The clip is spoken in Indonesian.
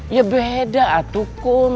ya beda atukum